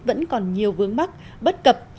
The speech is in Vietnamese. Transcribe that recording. vẫn còn nhiều vướng mắc bất cập